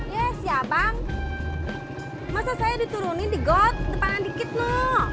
ya siapang masa saya dituruni di got depan dikit no